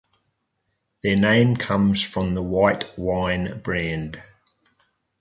Their name comes from the white wine brand.